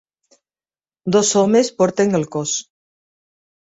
Dos homes porten el cos.